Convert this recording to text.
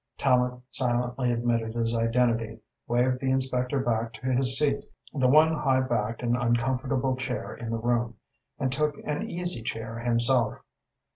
Tallente silently admitted his identity, waved the inspector back to his seat the one high backed and uncomfortable chair in the room and took an easy chair himself.